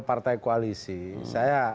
partai koalisi saya